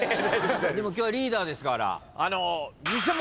でも今日はリーダーですから。